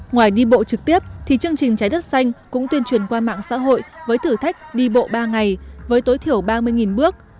ngoài đi bộ trực tiếp thì chương trình trái đất xanh cũng tuyên truyền qua mạng xã hội với thử thách đi bộ ba ngày với tối thiểu ba mươi bước